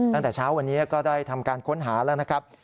ตั้งแต่เช้าวันนี้ก็ได้ทำการค้นหาแล้วนะครับ